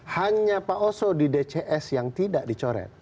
hanya pak oso di dcs yang tidak dicoret